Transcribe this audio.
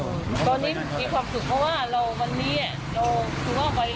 เราถึงว่าวันนี้เราหาเงินไม่ได้แล้วค่ะ